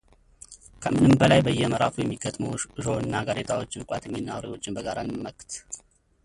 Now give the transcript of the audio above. ከምንም በላይ በየምዕራፉ የሚገጥሙ እሾህና ጋሬጣዎችን ቋጥኝና አውሬዎችን በጋራ እንመክት